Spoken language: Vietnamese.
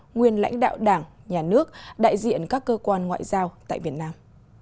nguyên lãnh đạo đảng nhà nước đại diện các cơ quan ngoại giao tại việt nam